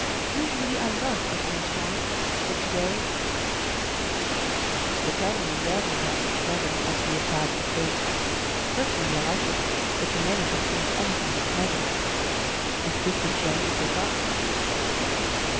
"Usually I love a snow storm, but to day " "They tell me you rarely have such weather as we have had of late. Personally I like it, but to many it means anything but pleasure. Is this the chair you prefer?"